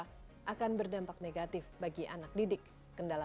tetapi orang tua tidak berkenan